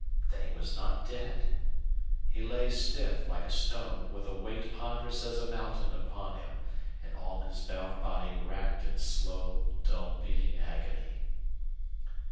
Then he was not dead. He lay stiff, like a stone, with a weight ponderous as a mountain upon him and all his bound body racked in slow, dull beating agony.